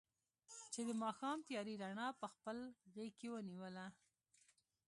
چې د ماښام تیارې رڼا په خپل غېږ کې ونیوله.